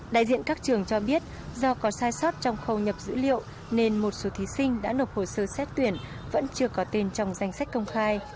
đại diện các trường cho biết do có sai sót trong khâu nhập dữ liệu nên một số thí sinh đã nộp hồ sơ xét tuyển vẫn chưa có tên trong danh sách công khai